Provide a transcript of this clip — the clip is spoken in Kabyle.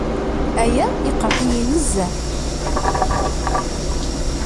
Aya iqerreḥ-iyi nezzeh.